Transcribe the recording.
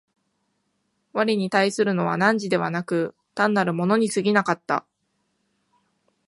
我に対するのは汝でなく、単なる物に過ぎなかった。